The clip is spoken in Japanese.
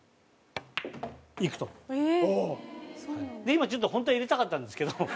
今ちょっと本当は入れたかったんですけど。